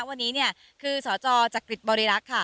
วันนี้เนี่ยคือสจจักริจบริรักษ์ค่ะ